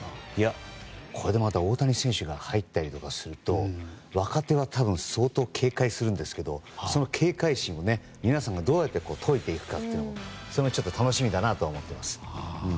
これでまた大谷選手が入ったりすると若手は多分相当警戒するんですけどその警戒心を皆さんがどうやって解いていくかというのがそれも楽しみだなと思っています。